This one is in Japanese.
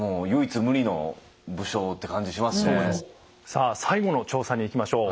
さあ最後の調査にいきましょう。